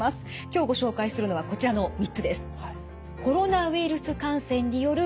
今日ご紹介するのはこちらの３つです。